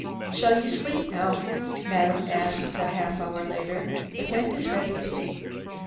"Shall you sleep now?" Madame asked a half hour later. "The tent is ready."